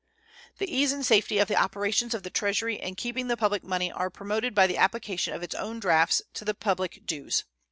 The ease and safety of the operations of the Treasury in keeping the public money are promoted by the application of its own drafts to the public dues.